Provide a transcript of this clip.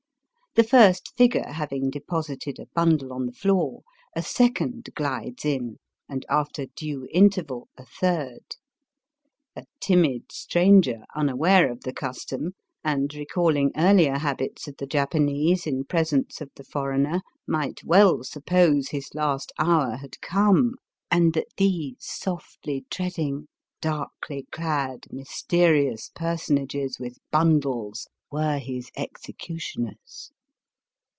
The first figure having deposited a bundle on the floor, a second gUdes in, and after due interval a third. A timid stranger, unaware of the custom, and recalling earlier habits of the Japanese in presence of the foreigner, might well suppose his last hour had come, and that these softly treading, darkly clad, mysterious personages with bundles were his executioners.